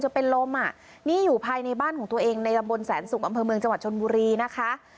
จะเป็นลมอ่ะนี่อยู่ภายในบ้านของตัวเองในตำบลแสนสุกอำเภอเมืองจังหวัดชนบุรีนะคะ